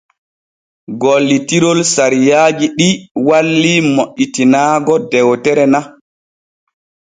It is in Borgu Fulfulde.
Gollirol saawariiji ɗi walli moƴƴitinaago dewtere na.